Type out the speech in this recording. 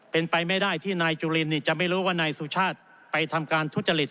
เป็นไปไม่ได้ที่นายจุลินจะไม่รู้ว่านายสุชาติไปทำการทุจริต